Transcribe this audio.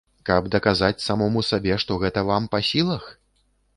Каб даказаць самому сабе, што гэта вам па сілах?